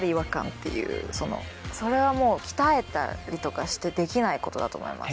それはもう鍛えたりとかしてできないことだと思います。